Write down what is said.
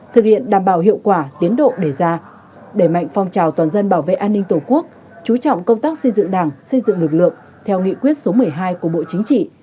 thực hiện đảm bảo hiệu quả tiến độ đề ra đẩy mạnh phong trào toàn dân bảo vệ an ninh tổ quốc chú trọng công tác xây dựng đảng xây dựng lực lượng theo nghị quyết số một mươi hai của bộ chính trị